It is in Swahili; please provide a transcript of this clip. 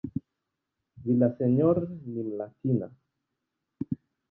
Villaseñor ni "Mlatina".